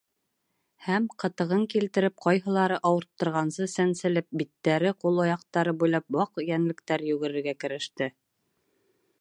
Һәм, ҡытығын килтереп, ҡайһылары ауырттырғансы сәнселеп, биттәре, ҡул-аяҡтары буйлап ваҡ йәнлектәр йүгерергә кереште.